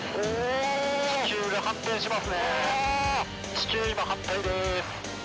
地球今反対です。